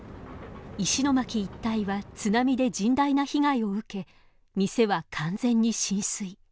石巻一帯は津波で甚大な被害を受け店は完全に浸水。